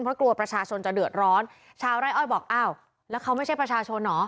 เพราะกลัวประชาชนจะเดือดร้อนชาวไร่อ้อยบอกอ้าวแล้วเขาไม่ใช่ประชาชนเหรอ